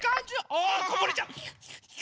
あこぼれちゃう。